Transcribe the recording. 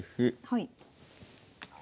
はい。